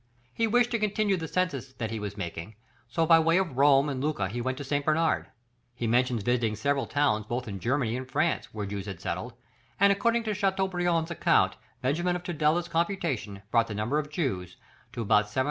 He wished to continue the census that he was making, so by way of Rome and Lucca he went to St. Bernard. He mentions visiting several towns both in Germany and France, where Jews had settled, and according to Chateaubriand's account, Benjamin of Tudela's computation brought the number of Jews to about 768,165.